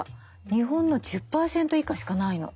日本の１０％以下しかないの。